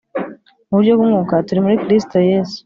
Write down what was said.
mu buryo bw'umwuka, turi muri Kristo Yesu.